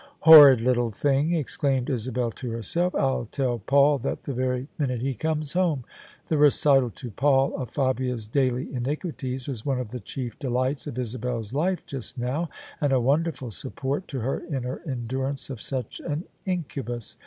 " Horrid little thing! " exclaimed Isabel to herself: " I'll tell Paul that the very minute he comes home." The recital to Paul of Fabia's daily iniquities was one of the chief delights of Isabel's life just now, and a wonderful support to her in her endurance of such an incubus.